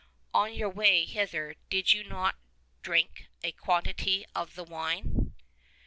On your way hither did you not drink a quantity of the wine